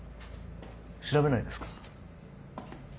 調べないんですか？